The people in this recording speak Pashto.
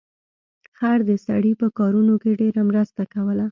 خر د سړي په کارونو کې ډیره مرسته کوله.